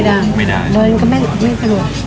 เดินก็ไม่สะดวก